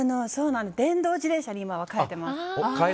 電動自転車に今は変えています。